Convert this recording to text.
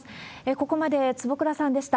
ここまで、坪倉さんでした。